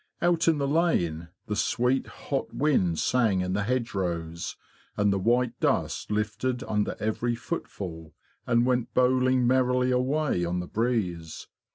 Out in the lane the sweet hot wind sang in the hedgerows, and the white dust lifted under every footfall and went bowling merrily away on the breeze.